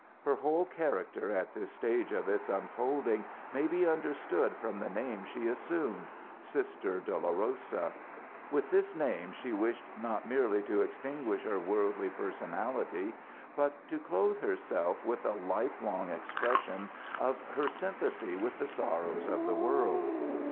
Her whole character at this stage of its unfolding may be understood from the name she assumed Sister Dolorosa. With this name she wished not merely to extinguish her worldly personality, but to clothe herself with a life long expression of her sympathy with the sorrows of the world.